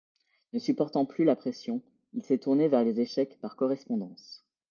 Ne supportant plus la pression, il s'est tourné vers les échecs par correspondance.